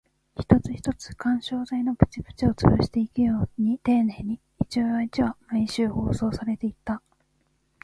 一つ一つ、緩衝材のプチプチを潰していくように丁寧に、一話一話、毎週放送されていった